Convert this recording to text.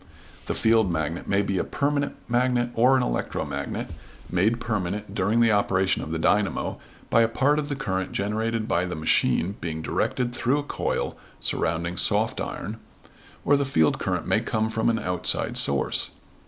The field magnet may be a permanent magnet or an electromagnet, made permanent during the operation of the dynamo by a part of the current generated by the machine being directed through a coil surrounding soft iron; or the field current may come from an outside source.